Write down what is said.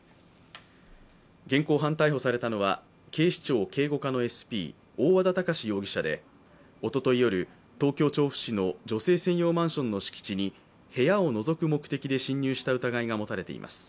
現行犯逮捕されたのは警視庁警護課のＳＰ大和田峰志容疑者でおととい夜東京・調布市の女性専用マンションの敷地に部屋をのぞく目的で侵入した疑いが持たれています。